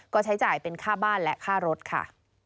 ก็ใช้จ่ายเป็นค่าบ้านและค่ารถค่ะ